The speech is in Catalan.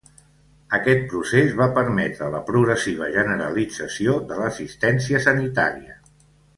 Aquest procés va permetre la progressiva generalització de l'assistència sanitària.